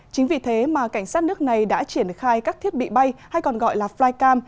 chính vì thế mà cảnh sát nước này đã triển khai các thiết bị bay hay còn gọi là flycam